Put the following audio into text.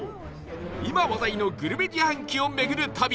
今話題のグルメ自販機を巡る旅